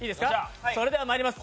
それではまいります。